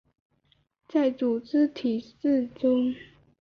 在组织体制中